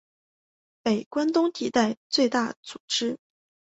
北关东一带最大组织。